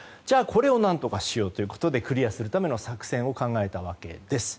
これを何とかしようということでクリアするための作戦を考えたわけです。